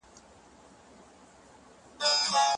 د ارغنداب سیند مدیریت د اوبو کمښت له خطره ژغوري.